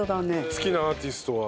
好きなアーティストは？